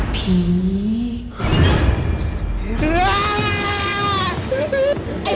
พวกมึงต้องตาย